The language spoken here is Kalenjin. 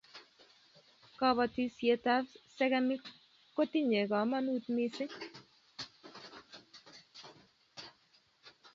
Kobotisietab sekemik kotinyei komonut missing